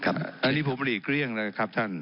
อันนี้ผมหลีกเลี่ยงนะครับท่าน